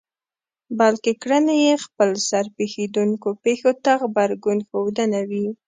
بلکې کړنې يې خپلسر پېښېدونکو پېښو ته غبرګون ښودنه وي.